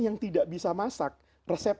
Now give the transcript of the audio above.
yang tidak bisa masak resep